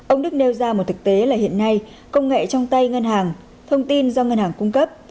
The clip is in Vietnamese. ông đức nêu ra một thực tế là hiện nay công nghệ trong tay ngân hàng thông tin do ngân hàng cung cấp